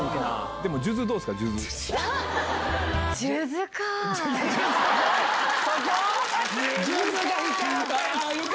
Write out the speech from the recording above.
でも数珠どうですか？